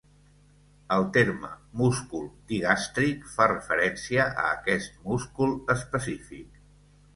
El terme "múscul digàstric" fa referència a aquest múscul específic.